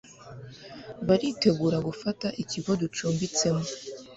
baritegura gufata ikigo ducumbitsemo